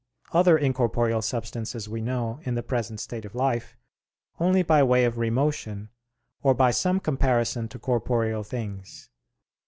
Other incorporeal substances we know, in the present state of life, only by way of remotion or by some comparison to corporeal things.